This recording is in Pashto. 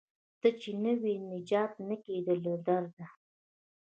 ته چې نه وې نجات نه کیده له درده